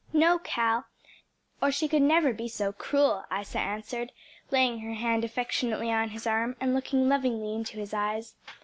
"No, Cal, or she could never be so cruel," Isa answered, laying her hand affectionately on his arm and looking lovingly into his eyes.